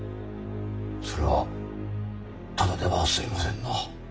それはただでは済みませぬな。